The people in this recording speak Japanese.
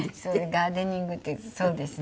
ガーデニングってそうですね。